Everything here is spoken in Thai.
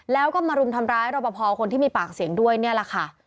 แล้วก็มารุมทำร้ายรอปภคนที่มีปากเสียงด้วยนี่แหละค่ะ